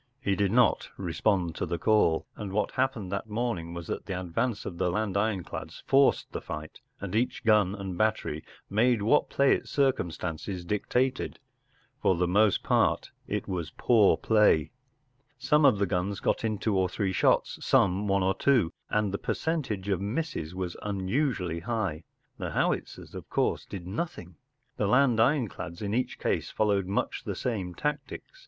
He did not respond to the call, and what happened that morning was that the advance of the land ironclads forced the fight, and each gun and battery made what play its circumstances dictated. For the most part it was poor play. Some of the guns got in two or three shots, some one or two, and the percentage of misses was unusually high. The howitzers, of course, did nothing. The land ironclads in each case followed much the same tactics.